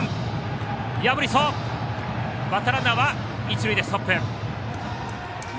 バッターランナーは一塁でストップ。